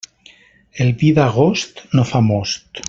El vi d'agost no fa most.